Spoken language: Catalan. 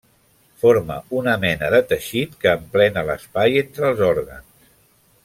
Forma una mena de teixit que emplena l'espai entre els òrgans.